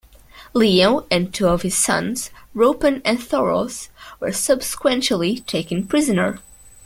Leo and two of his sons, Roupen and Thoros, were subsequently taken prisoner.